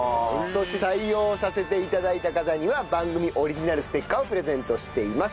そして採用させて頂いた方には番組オリジナルステッカーをプレゼントしています。